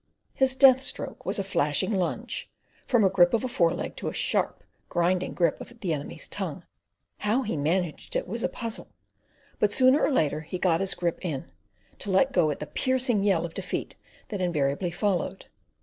His death stroke was a flashing lunge, from a grip of a foreleg to a sharp, grinding grip of the enemy's tongue. How he managed it was a puzzle, but sooner or later he got his grip in, to let go at the piercing yell of defeat that invariably followed.